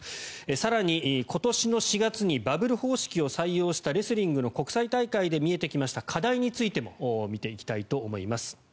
更に今年の４月にバブル方式を採用したレスリングの国際大会で見えてきました課題についても見ていきたいと思います。